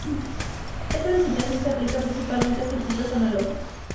Esta designación se aplica principalmente a circuitos analógicos.